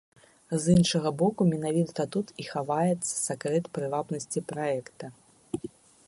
З іншага боку, менавіта тут і хаваецца сакрэт прывабнасці праекта.